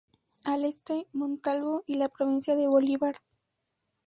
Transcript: Al Este: Montalvo, y la provincia de Bolívar.